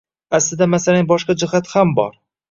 Aslida masalaning boshqa jihati ham bor.